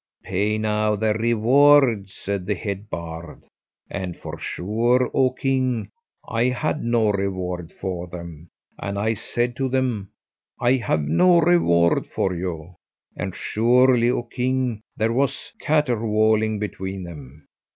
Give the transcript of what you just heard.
'Pay now their reward, said the head bard; and for sure, oh king, I had no reward for them; and I said to them, 'I have no reward for you.' And surely, oh king, there was catterwauling between them.